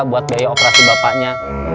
buat biaya operasi bapaknya